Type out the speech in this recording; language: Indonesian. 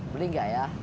beli nggak ya